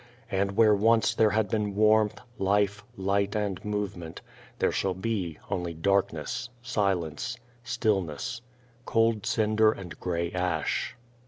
And where once there had been warmth, life, light, and movement, there shall be only darkness, silence, stillness, cold cinder, and grey ash.